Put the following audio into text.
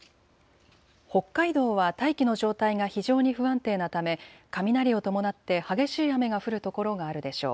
北海道は大気の状態が非常に不安定なため雷を伴って激しい雨が降る所があるでしょう。